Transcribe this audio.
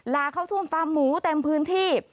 ลาเข้าท่วมฟาร์มหมูเต็มพื้นที่